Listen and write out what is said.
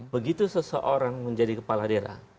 begitu seseorang menjadi kepala daerah